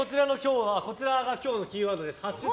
こちらが今日のキーワードです。